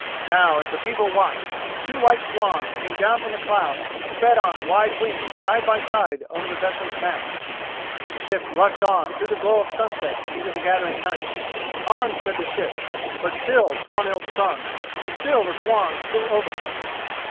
Now, as the people watched, two white swans came down from the clouds and sped on wide wings side by side over the vessel's mast. The ship rushed on through the glow of sunset into the gathering night. On sped the ship, but still Swanhild sung, and still the swans flew over her.